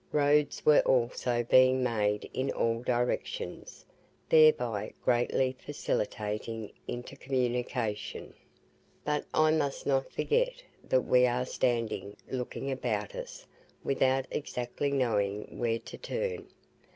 Roads were also being made in all directions, thereby greatly facilitating intercommunication. But I must not forget that we are standing looking about us without exactly knowing where to turn.